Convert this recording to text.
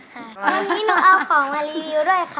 วันนี้หนูเอาของมารีวิวด้วยค่ะ